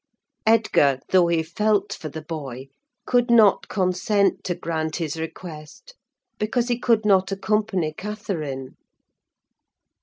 Edgar, though he felt for the boy, could not consent to grant his request; because he could not accompany Catherine.